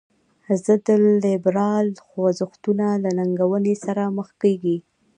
ضد لیبرال خوځښتونه له ننګونې سره مخ کیږي.